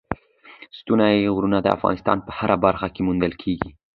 ستوني غرونه د افغانستان په هره برخه کې موندل کېږي.